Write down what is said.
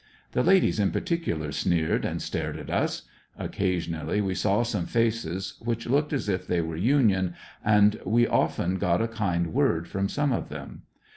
The ladies in particular sneered and stored at us. Occasionally we saw some faces which looked as if they were Union, and we often got a kind word from some of them.